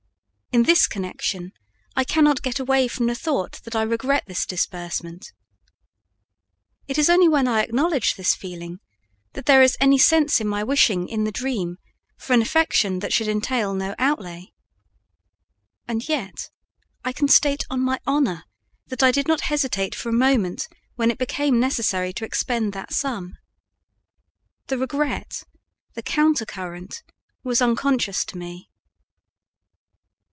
In this connection, I cannot get away from the thought that I regret this disbursement. It is only when I acknowledge this feeling that there is any sense in my wishing in the dream for an affection that should entail no outlay. And yet I can state on my honor that I did not hesitate for a moment when it became necessary to expend that sum. The regret, the counter current, was unconscious to me.